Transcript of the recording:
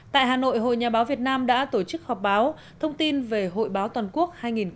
tại hà nội hội nhà báo việt nam đã tổ chức họp báo thông tin về hội báo toàn quốc hai nghìn hai mươi bốn